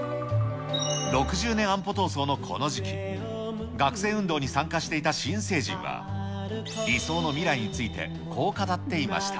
６０年安保闘争のこの時期、学生運動に参加していた新成人は、理想の未来についてこう語っていました。